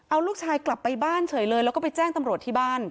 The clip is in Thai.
เอาลูกชายกลับไปบ้านเฉยเลยแล้วก็ไปแจ้งตำรวจที่บ้าน